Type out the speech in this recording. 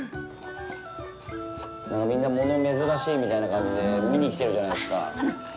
なんかみんな物珍しいみたいな感じで見にきてるじゃないですか。